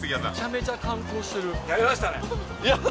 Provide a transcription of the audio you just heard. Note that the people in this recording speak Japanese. やりましたね。